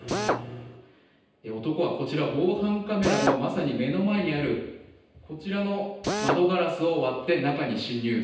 男は防犯カメラのまさに目の前にあるこちらの窓ガラスを割って中に侵入。